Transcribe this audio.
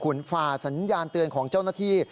คุณฝ่าสัญญาณเตือนของเจ้าหน้าที่